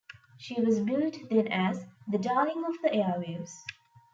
She was billed then as "The Darling of the Airwaves".